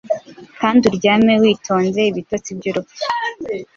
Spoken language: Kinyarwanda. Kandi uryame witonze ibitotsi byurupfu,